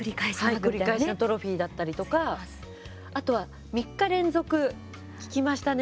繰り返しのトロフィーだったりとかあとは３日連続、聞きましたね